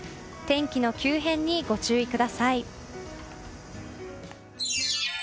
天気の急変にご注意ください。